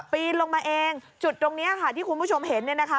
ปีนลงมาเองจุดตรงนี้ค่ะที่คุณผู้ชมเห็นเนี่ยนะคะ